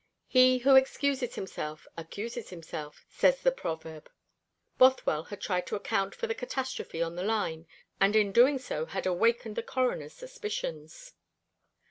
He who excuses himself accuses himself, says the proverb. Bothwell had tried to account for the catastrophe on the line, and in so doing had awakened the Coroner's suspicions.